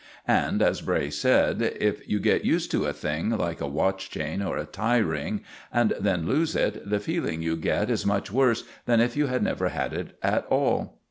And, as Bray said, "If you get used to a thing, like a watch chain or a tie ring, and then lose it, the feeling you get is much worse than if you had never had it at all."